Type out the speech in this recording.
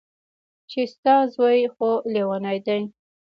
چې ستا زوى خو ليونۍ دى.